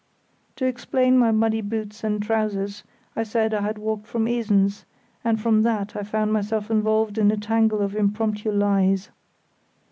To explain my muddy boots and trousers I said I had walked from Esens, and from that I found myself involved in a tangle of impromptu lies.